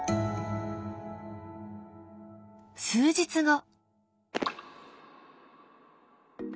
数日後。